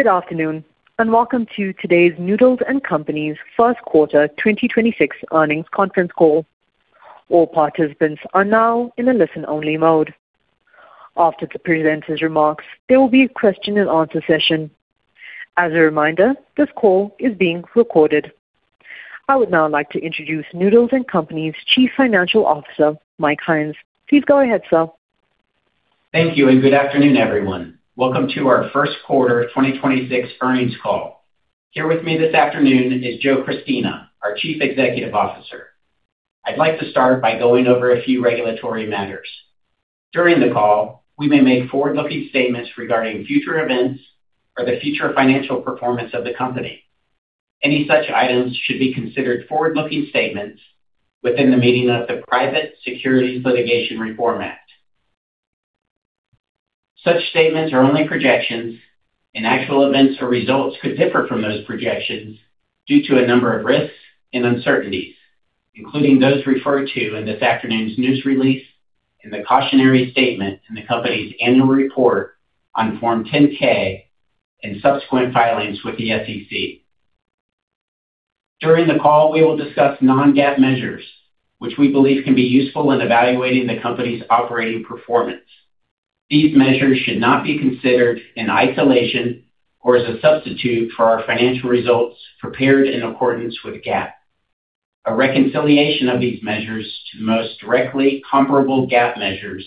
Good afternoon, welcome to today's Noodles & Company's first quarter 2026 earnings conference call. I would now like to introduce Noodles & Company's Chief Financial Officer, Mike Hynes. Please go ahead, sir. Thank you, and good afternoon, everyone. Welcome to our first quarter 2026 earnings call. Here with me this afternoon is Joe Christina, our Chief Executive Officer. I'd like to start by going over a few regulatory matters. During the call, we may make forward-looking statements regarding future events or the future financial performance of the company. Any such items should be considered forward-looking statements within the meaning of the Private Securities Litigation Reform Act. Such statements are only projections, and actual events or results could differ from those projections due to a number of risks and uncertainties, including those referred to in this afternoon's news release and the cautionary statement in the company's annual report on Form 10-K and subsequent filings with the SEC. During the call, we will discuss non-GAAP measures, which we believe can be useful in evaluating the company's operating performance. These measures should not be considered in isolation or as a substitute for our financial results prepared in accordance with GAAP. A reconciliation of these measures to the most directly comparable GAAP measures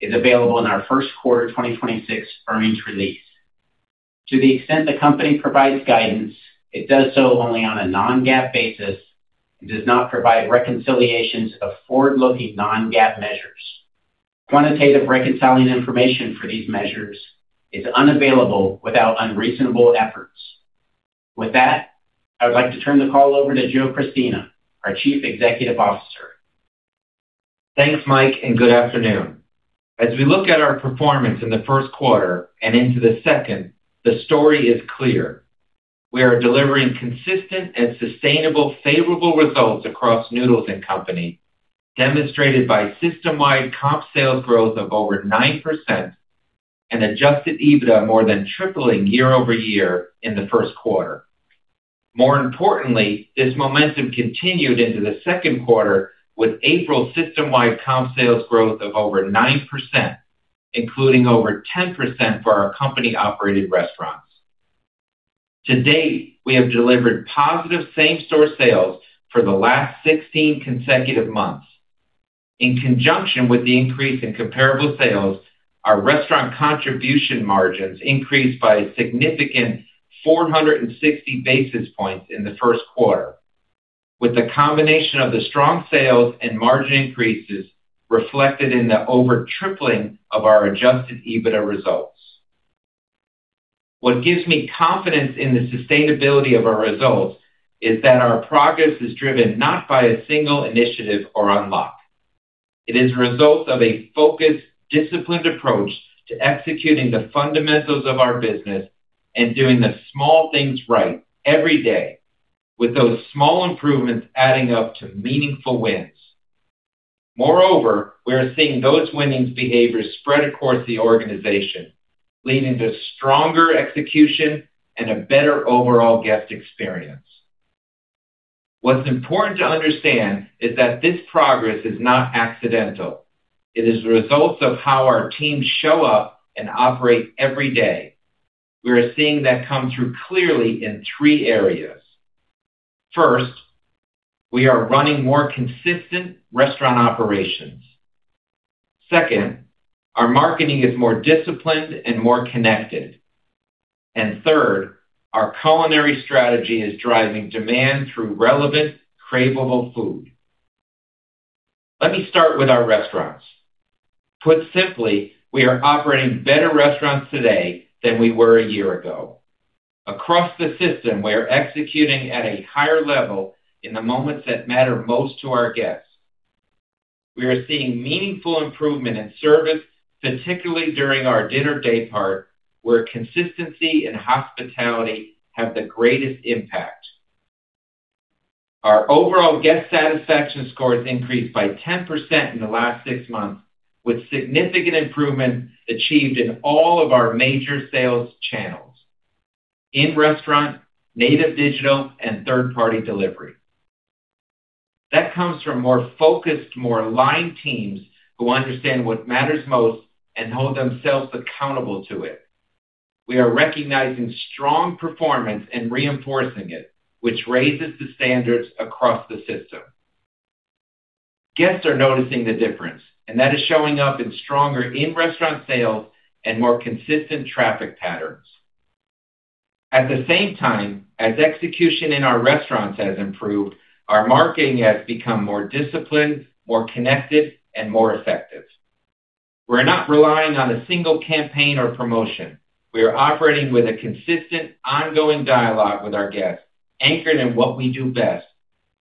is available in our first quarter 2026 earnings release. To the extent the company provides guidance, it does so only on a non-GAAP basis and does not provide reconciliations of forward-looking non-GAAP measures. Quantitative reconciling information for these measures is unavailable without unreasonable efforts. With that, I would like to turn the call over to Joe Christina, our Chief Executive Officer. Thanks, Mike. Good afternoon. As we look at our performance in the first quarter and into the second, the story is clear. We are delivering consistent and sustainable favorable results across Noodles & Company, demonstrated by system-wide comp sales growth of over 9% and adjusted EBITDA more than tripling year-over-year in the first quarter. More importantly, this momentum continued into the second quarter with April system-wide comp sales growth of over 9%, including over 10% for our company-operated restaurants. To date, we have delivered positive same-store sales for the last 16 consecutive months. In conjunction with the increase in comparable sales, our restaurant contribution margins increased by a significant 460 basis points in the first quarter, with the combination of the strong sales and margin increases reflected in the over tripling of our adjusted EBITDA results. What gives me confidence in the sustainability of our results is that our progress is driven not by a single initiative or unlock. It is a result of a focused, disciplined approach to executing the fundamentals of our business and doing the small things right every day, with those small improvements adding up to meaningful wins. Moreover, we are seeing those winning behaviors spread across the organization, leading to stronger execution and a better overall guest experience. What's important to understand is that this progress is not accidental. It is the result of how our teams show up and operate every day. We are seeing that come through clearly in 3 areas. First, we are running more consistent restaurant operations. Second, our marketing is more disciplined and more connected. Third, our culinary strategy is driving demand through relevant, craveable food. Let me start with our restaurants. Put simply, we are operating better restaurants today than we were a year ago. Across the system, we are executing at a higher level in the moments that matter most to our guests. We are seeing meaningful improvement in service, particularly during our dinner daypart, where consistency and hospitality have the greatest impact. Our overall guest satisfaction scores increased by 10% in the last 6 months, with significant improvements achieved in all of our major sales channels: in-restaurant, native digital, and third-party delivery. That comes from more focused, more aligned teams who understand what matters most and hold themselves accountable to it. We are recognizing strong performance and reinforcing it, which raises the standards across the system. Guests are noticing the difference, and that is showing up in stronger in-restaurant sales and more consistent traffic patterns. At the same time, as execution in our restaurants has improved, our marketing has become more disciplined, more connected, and more effective. We're not relying on a single campaign or promotion. We are operating with a consistent, ongoing dialogue with our guests, anchored in what we do best,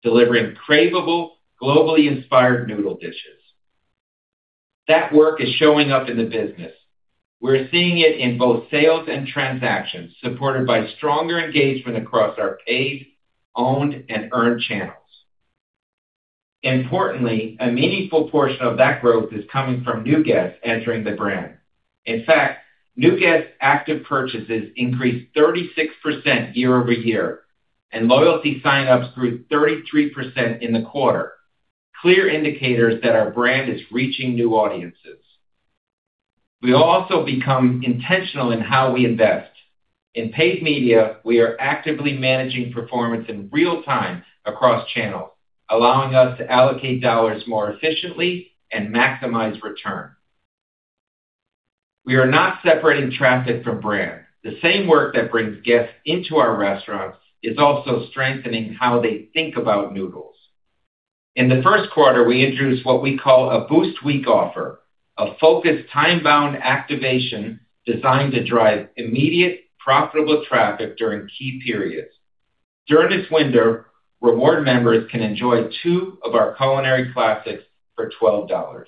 delivering craveable, globally inspired noodle dishes. That work is showing up in the business. We're seeing it in both sales and transactions, supported by stronger engagement across our paid, owned, and earned channels. Importantly, a meaningful portion of that growth is coming from new guests entering the brand. In fact, new guest active purchases increased 36% year-over-year, and loyalty sign-ups grew 33% in the quarter. Clear indicators that our brand is reaching new audiences. We also become intentional in how we invest. In paid media, we are actively managing performance in real time across channels, allowing us to allocate dollars more efficiently and maximize return. We are not separating traffic from brand. The same work that brings guests into our restaurants is also strengthening how they think about Noodles. In the first quarter, we introduced what we call a Boost Week offer, a focused time-bound activation designed to drive immediate profitable traffic during key periods. During this winter, reward members can enjoy two of our culinary classics for $12.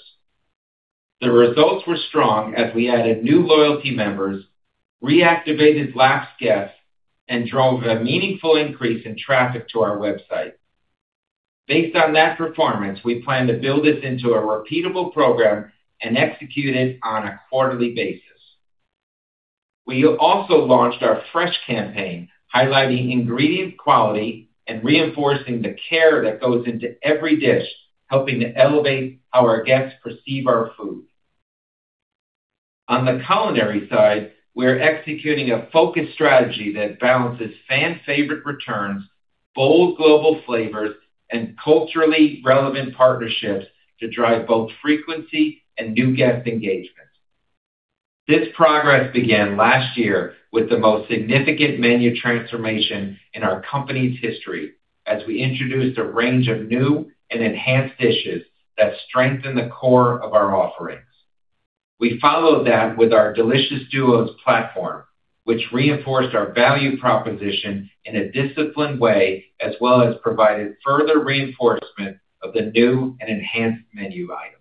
The results were strong as we added new loyalty members, reactivated lapsed guests, and drove a meaningful increase in traffic to our website. Based on that performance, we plan to build this into a repeatable program and execute it on a quarterly basis. We have also launched our fresh campaign highlighting ingredient quality and reinforcing the care that goes into every dish, helping to elevate how our guests perceive our food. On the culinary side, we are executing a focused strategy that balances fan favorite returns, bold global flavors, and culturally relevant partnerships to drive both frequency and new guest engagement. This progress began last year with the most significant menu transformation in our company’s history as we introduced a range of new and enhanced dishes that strengthen the core of our offerings. We followed that with our Delicious Duos platform, which reinforced our value proposition in a disciplined way as well as provided further reinforcement of the new and enhanced menu items.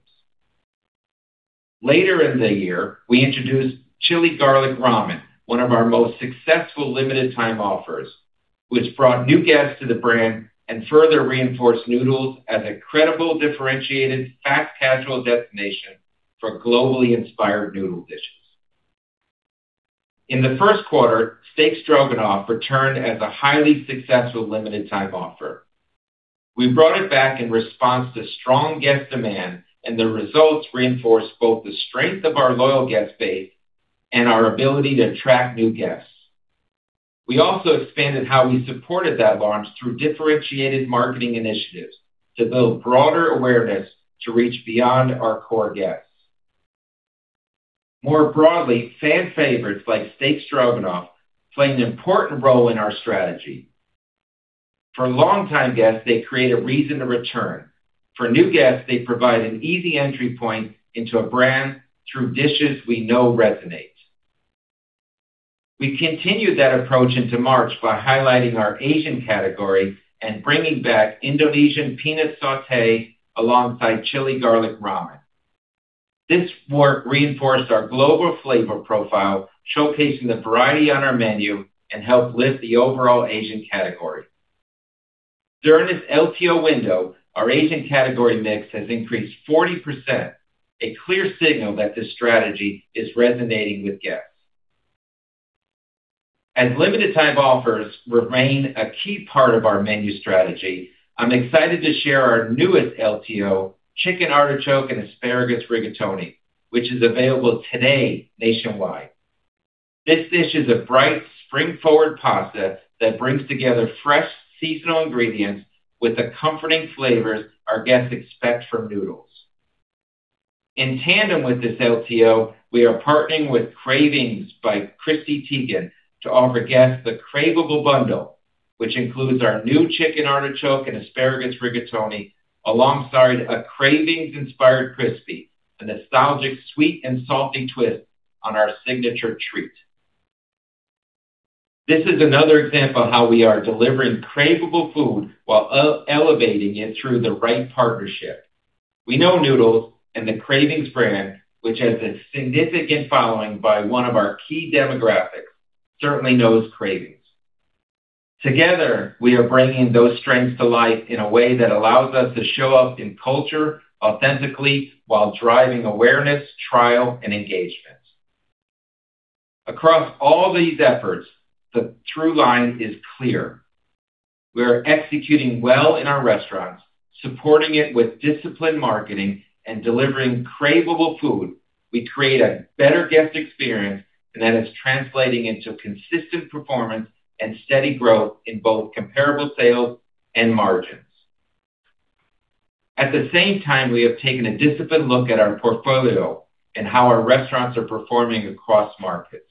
Later in the year, we introduced Chili Garlic Ramen, one of our most successful limited time offers, which brought new guests to the brand and further reinforced Noodles as a credible, differentiated fast casual destination for globally inspired noodle dishes. In the first quarter, Steak Stroganoff returned as a highly successful limited time offer. We brought it back in response to strong guest demand. The results reinforced both the strength of our loyal guest base and our ability to attract new guests. We also expanded how we supported that launch through differentiated marketing initiatives to build broader awareness to reach beyond our core guests. More broadly, fan favorites like Steak Stroganoff play an important role in our strategy. For longtime guests, they create a reason to return. For new guests, they provide an easy entry point into a brand through dishes we know resonate. We continued that approach into March by highlighting our Asian category and bringing back Indonesian Peanut Sauté alongside Chili Garlic Ramen. This work reinforced our global flavor profile, showcasing the variety on our menu, and helped lift the overall Asian category. During this LTO window, our Asian category mix has increased 40%, a clear signal that this strategy is resonating with guests. As limited time offers remain a key part of our menu strategy, I’m excited to share our newest LTO, Chicken Artichoke & Asparagus Rigatoni, which is available today nationwide. This dish is a bright spring-forward pasta that brings together fresh seasonal ingredients with the comforting flavors our guests expect from Noodles. In tandem with this LTO, we are partnering with Cravings by Chrissy Teigen to offer guests the Craveable Bundle, which includes our new Chicken Artichoke & Asparagus Rigatoni alongside a Cravings-inspired Crispy, a nostalgic sweet and salty twist on our signature treat. This is another example of how we are delivering craveable food while elevating it through the right partnership. We know Noodles and the Cravings brand, which has a significant following by one of our key demographics, certainly knows Cravings. Together, we are bringing those strengths to life in a way that allows us to show up in culture authentically while driving awareness, trial, and engagement. Across all these efforts, the through line is clear. We are executing well in our restaurants, supporting it with disciplined marketing and delivering craveable food. We create a better guest experience that is translating into consistent performance and steady growth in both comparable sales and margins. At the same time, we have taken a disciplined look at our portfolio and how our restaurants are performing across markets.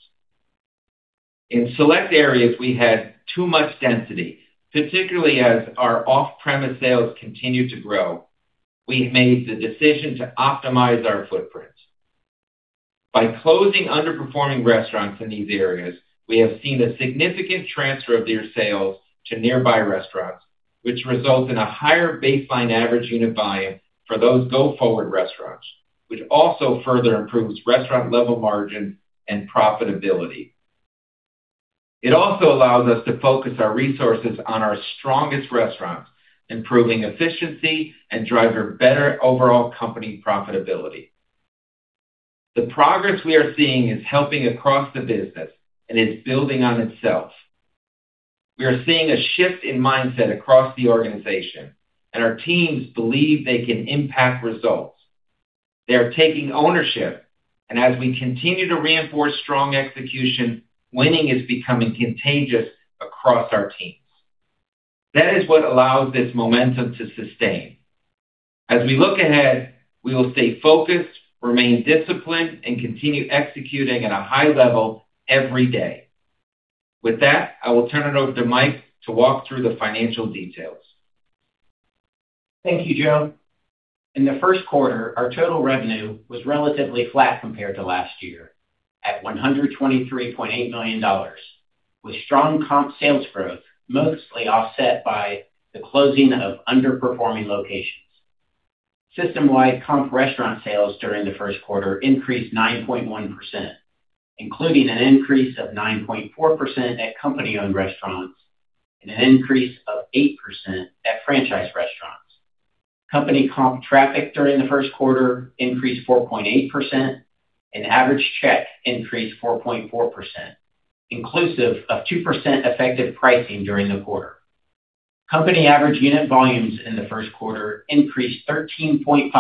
In select areas, we had too much density, particularly as our off-premise sales continued to grow. We made the decision to optimize our footprint. By closing underperforming restaurants in these areas, we have seen a significant transfer of their sales to nearby restaurants, which results in a higher baseline average unit volume for those go-forward restaurants, which also further improves restaurant level margin and profitability. It also allows us to focus our resources on our strongest restaurants, improving efficiency and drive better overall company profitability. The progress we are seeing is helping across the business and is building on itself. We are seeing a shift in mindset across the organization, and our teams believe they can impact results. They are taking ownership, and as we continue to reinforce strong execution, winning is becoming contagious across our teams. That is what allows this momentum to sustain. As we look ahead, we will stay focused, remain disciplined, and continue executing at a high level every day. With that, I will turn it over to Mike to walk through the financial details. Thank you, Joe. In the first quarter, our total revenue was relatively flat compared to last year at $123.8 million, with strong comp sales growth mostly offset by the closing of underperforming locations. System-wide comp restaurant sales during the first quarter increased 9.1%, including an increase of 9.4% at company-owned restaurants and an increase of 8% at franchise restaurants. Company comp traffic during the first quarter increased 4.8% and average check increased 4.4%, inclusive of 2% effective pricing during the quarter. Company average unit volumes in the first quarter increased 13.5%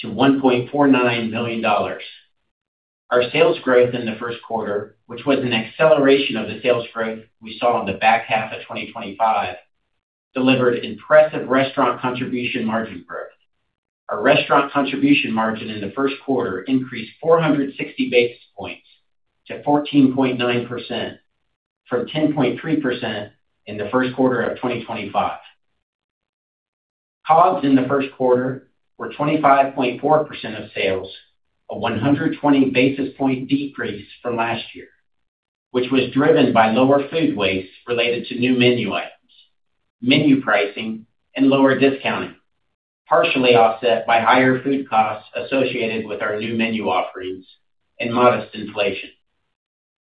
to $1.49 million. Our sales growth in the first quarter, which was an acceleration of the sales growth we saw in the back half of 2025, delivered impressive restaurant contribution margin growth. Our restaurant contribution margin in the first quarter increased 460 basis points to 14.9% from 10.3% in the first quarter of 2025. COGS in the first quarter were 25.4% of sales, a 120 basis point decrease from last year, which was driven by lower food waste related to new menu items, menu pricing, and lower discounting, partially offset by higher food costs associated with our new menu offerings and modest inflation.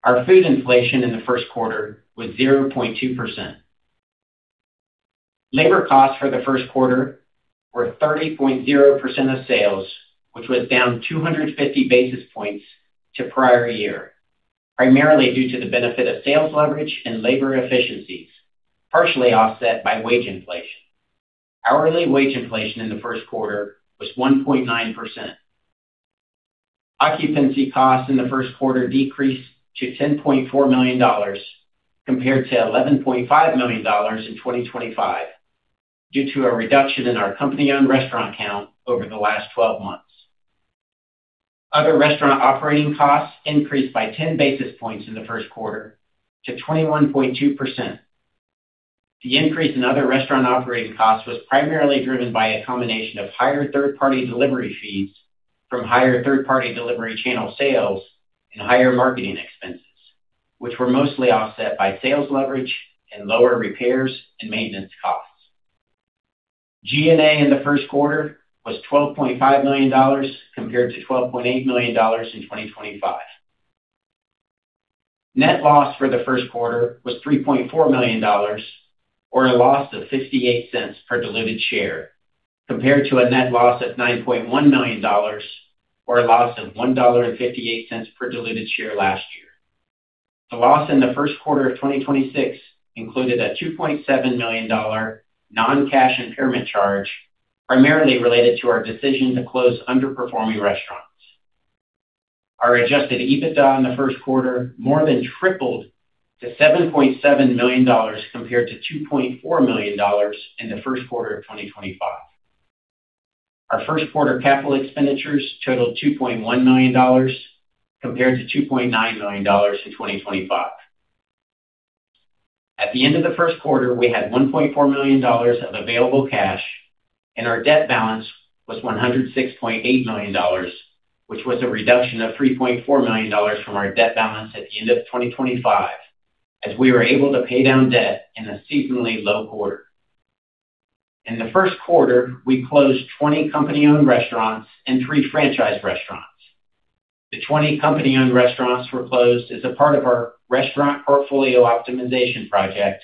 Our food inflation in the first quarter was 0.2%. Labor costs for the first quarter were 30.0% of sales, which was down 250 basis points to prior year, primarily due to the benefit of sales leverage and labor efficiencies, partially offset by wage inflation. Hourly wage inflation in the first quarter was 1.9%. Occupancy costs in the first quarter decreased to $10.4 million compared to $11.5 million in 2025 due to a reduction in our company-owned restaurant count over the last twelve months. Other restaurant operating costs increased by 10 basis points in the first quarter to 21.2%. The increase in other restaurant operating costs was primarily driven by a combination of higher third-party delivery fees from higher third-party delivery channel sales and higher marketing expenses, which were mostly offset by sales leverage and lower repairs and maintenance costs. G&A in the first quarter was $12.5 million compared to $12.8 million in 2025. Net loss for the first quarter was $3.4 million or a loss of $0.58 per diluted share, compared to a net loss of $9.1 million or a loss of $1.58 per diluted share last year. The loss in the first quarter of 2026 included a $2.7 million non-cash impairment charge, primarily related to our decision to close underperforming restaurants. Our adjusted EBITDA in the first quarter more than tripled to $7.7 million compared to $2.4 million in the first quarter of 2025. Our first quarter capital expenditures totaled $2.1 million compared to $2.9 million in 2025. At the end of the first quarter, we had $1.4 million of available cash and our debt balance was $106.8 million, which was a reduction of $3.4 million from our debt balance at the end of 2025, as we were able to pay down debt in a seasonally low quarter. In the first quarter, we closed 20 company-owned restaurants and three franchise restaurants. The 20 company-owned restaurants were closed as a part of our restaurant portfolio optimization project,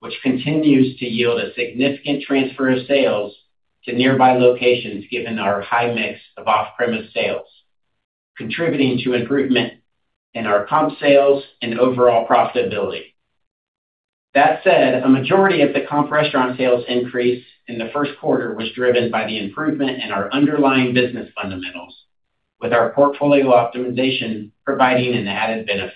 which continues to yield a significant transfer of sales to nearby locations given our high mix of off-premise sales, contributing to improvement in our comp sales and overall profitability. That said, a majority of the comp restaurant sales increase in the first quarter was driven by the improvement in our underlying business fundamentals, with our portfolio optimization providing an added benefit.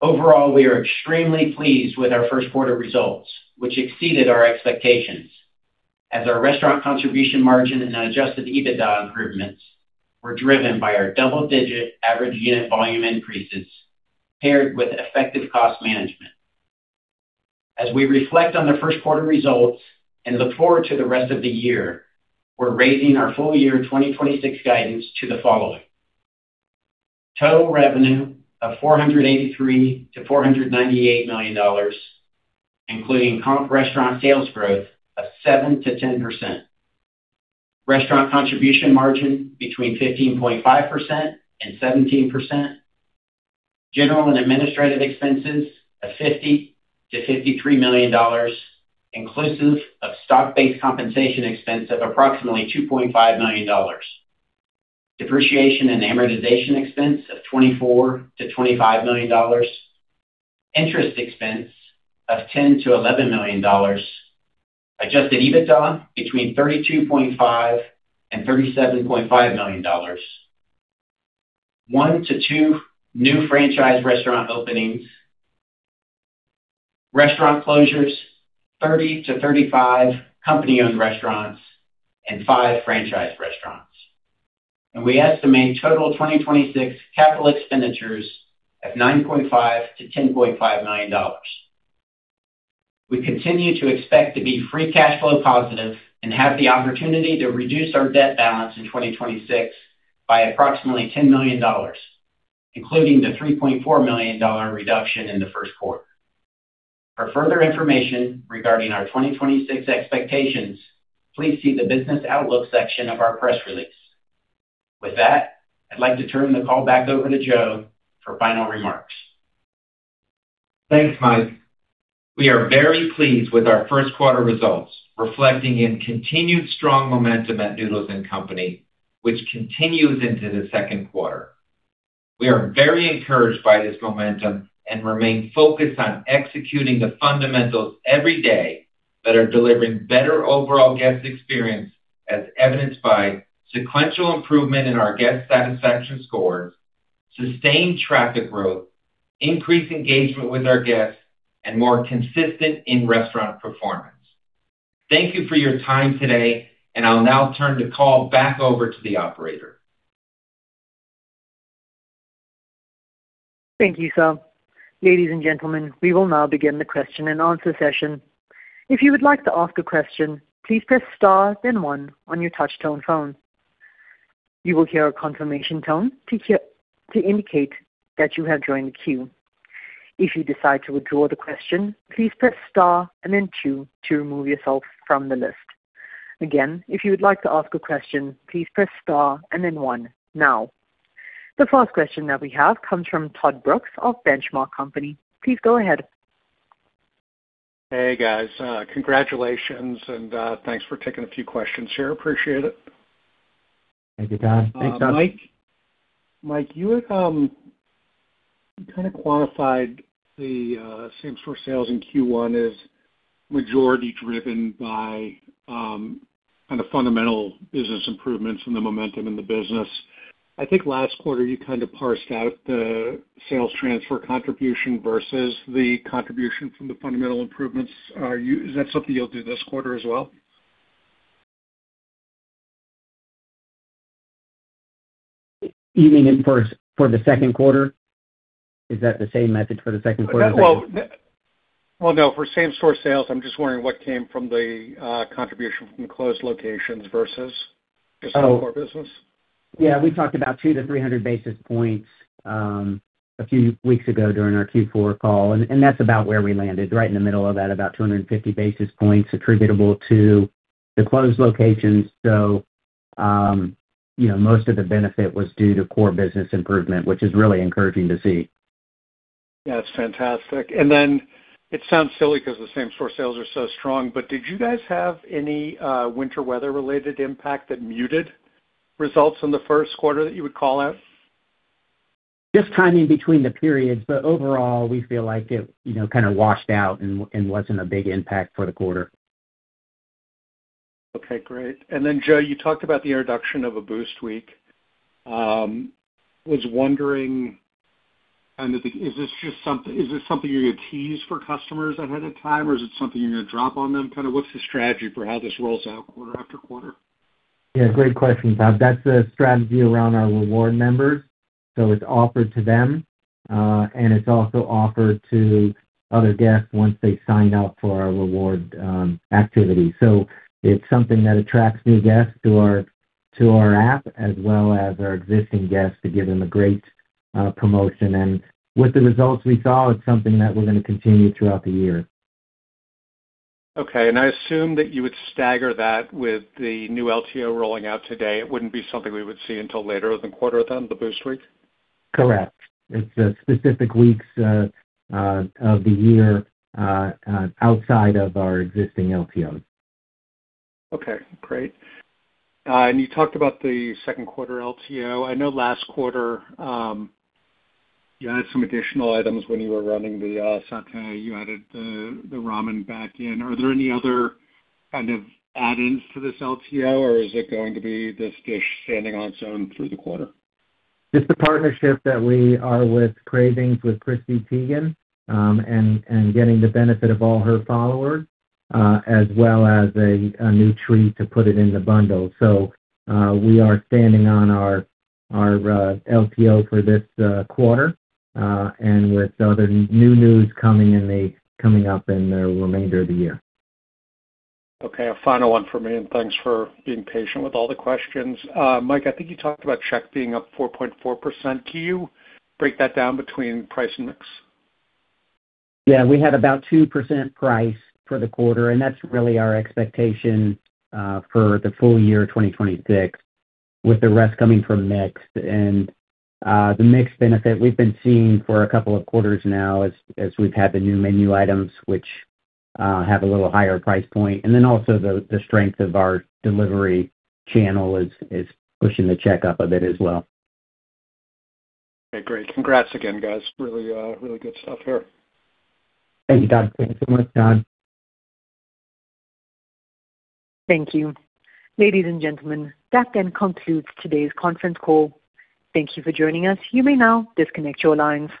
Overall, we are extremely pleased with our first quarter results, which exceeded our expectations as our restaurant contribution margin and adjusted EBITDA improvements were driven by our double-digit average unit volume increases paired with effective cost management. As we reflect on the first quarter results and look forward to the rest of the year, we're raising our full year 2026 guidance to the following: Total revenue of $483 million-$498 million, including comp restaurant sales growth of 7%-10%. Restaurant contribution margin between 15.5% and 17%. General and administrative expenses of $50 million-$53 million, inclusive of stock-based compensation expense of approximately $2.5 million. Depreciation and amortization expense of $24 million-$25 million. Interest expense of $10 million-$11 million. Adjusted EBITDA between $32.5 million and $37.5 million. 1 to 2 new franchise restaurant openings. Restaurant closures, 30 to 35 company-owned restaurants and 5 franchise restaurants. We estimate total 2026 capital expenditures of $9.5 million-$10.5 million. We continue to expect to be free cash flow positive and have the opportunity to reduce our debt balance in 2026 by approximately $10 million, including the $3.4 million reduction in the first quarter. For further information regarding our 2026 expectations, please see the Business Outlook section of our press release. With that, I'd like to turn the call back over to Joe for final remarks. Thanks, Mike. We are very pleased with our first quarter results, reflecting in continued strong momentum at Noodles & Company, which continues into the second quarter. We are very encouraged by this momentum and remain focused on executing the fundamentals every day that are delivering better overall guest experience, as evidenced by sequential improvement in our guest satisfaction scores, sustained traffic growth, increased engagement with our guests, and more consistent in-restaurant performance. Thank you for your time today, and I'll now turn the call back over to the operator. Thank you, sir. Ladies and gentlemen, we will now begin the question-and-answer session. If you would like to ask a question, please press star then one on your touch tone phone. You will hear a confirmation tone to indicate that you have joined the queue. If you decide to withdraw the question, please press star and then two to remove yourself from the list. Again, if you would like to ask a question, please press star and then one now. The first question that we have comes from Todd Brooks of Benchmark Company. Please go ahead. Hey, guys. Congratulations and thanks for taking a few questions here. Appreciate it. Thank you, Todd. Thanks, Todd. Mike, you had, you kinda quantified the same store sales in Q1 as majority driven by kinda fundamental business improvements and the momentum in the business. I think last quarter you kinda parsed out the sales transfer contribution versus the contribution from the fundamental improvements. Is that something you'll do this quarter as well? You mean for the second quarter? Is that the same method for the second quarter? Well, well, no, for same store sales, I'm just wondering what came from the contribution from closed locations versus? Oh. Just the core business. Yeah, we talked about 200-300 basis points, a few weeks ago during our Q4 call, and that's about where we landed, right in the middle of that, about 250 basis points attributable to the closed locations. You know, most of the benefit was due to core business improvement, which is really encouraging to see. Yeah, it's fantastic. Then it sounds silly 'cause the same store sales are so strong, but did you guys have any winter weather-related impact that muted results in the first quarter that you would call out? Just timing between the periods, but overall, we feel like it, you know, kinda washed out and wasn't a big impact for the quarter. Okay, great. Joe, you talked about the introduction of a boost week. I was wondering kind of the, is this something you're gonna tease for customers ahead of time, or is it something you're gonna drop on them kinda? What's the strategy for how this rolls out quarter after quarter? Yeah, great question, Todd. That's a strategy around our reward members, so it's offered to them, and it's also offered to other guests once they sign up for our reward activity. It's something that attracts new guests to our app as well as our existing guests to give them a great promotion. With the results we saw, it's something that we're gonna continue throughout the year. Okay. I assume that you would stagger that with the new LTO rolling out today. It wouldn't be something we would see until later in the quarter then, the boost week? Correct. It's specific weeks of the year outside of our existing LTO. Okay, great. You talked about the second quarter LTO. I know last quarter, you had some additional items when you were running the sauté. You added the ramen back in. Are there any other kind of add-ins to this LTO, or is it going to be this dish standing on its own through the quarter? Just the partnership that we are with Cravings with Chrissy Teigen, and getting the benefit of all her followers, as well as a new treat to put it in the bundle. We are standing on our LTO for this quarter, and with other new news coming up in the remainder of the year. Okay, a final one for me, and thanks for being patient with all the questions. Mike, I think you talked about check being up 4.4%. Can you break that down between price and mix? Yeah, we had about 2% price for the quarter, and that's really our expectation for the full year 2026, with the rest coming from mix. The mix benefit we've been seeing for a couple of quarters now as we've had the new menu items, which have a little higher price point. Also the strength of our delivery channel is pushing the check up a bit as well. Okay, great. Congrats again, guys. Really, really good stuff here. Thank you, Todd. Thanks so much, Todd. Thank you. Ladies and gentlemen, that then concludes today's conference call. Thank you for joining us. You may now disconnect your lines.